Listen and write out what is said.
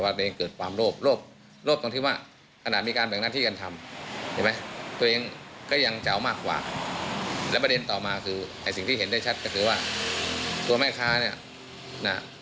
เราแค่ต้องการเงิน